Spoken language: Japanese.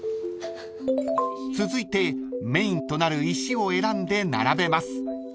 ［続いてメインとなる石を選んで並べます］